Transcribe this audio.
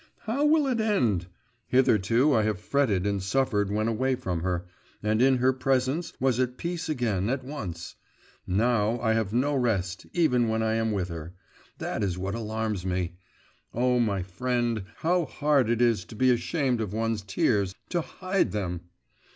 How will it end? Hitherto I have fretted and suffered when away from her, and in her presence was at peace again at once now I have no rest even when I am with her, that is what alarms me. Oh my friend, how hard it is to be ashamed of one's tears, to hide them!